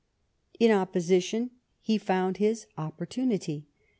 In opposition he found his opportunity.